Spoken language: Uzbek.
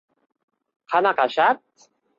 — Qanaqa shart?